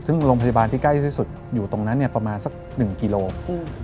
ซึ่งโรงพยาบาลที่ใกล้ที่สุดอยู่ตรงนั้นเนี่ยประมาณสัก๑กิโลกรัม